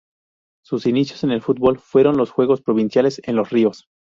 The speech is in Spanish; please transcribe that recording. Sus inicios en el fútbol fueron en los juegos provinciales en Los Ríos.